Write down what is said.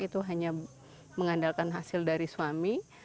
itu hanya mengandalkan hasil dari suami